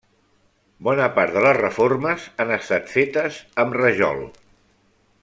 Bona part de les reformes han estat fetes amb rajol.